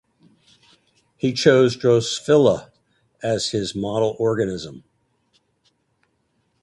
He chose "Drosophila" as his model organism.